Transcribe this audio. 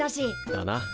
だな。